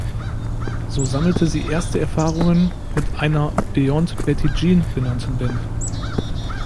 So sammelte sie erste Erfahrungen mit einer "Beyond Betty Jean" genannten Band.